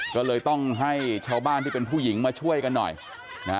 ก็เลยต้องให้ชาวบ้านที่เป็นผู้หญิงมาช่วยกันหน่อยนะฮะ